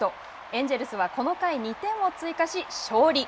エンジェルスはこの回２点を追加し勝利。